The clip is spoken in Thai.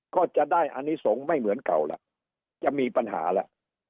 ก็จะได้อันนี้สงไม่เหมือนเก่าละจะมีปัญหาละ